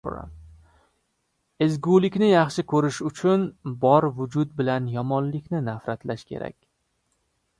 Ezgulikni yaxshi ko‘rish uchun bor vujud bilan yomonlikni nafratlash kerak.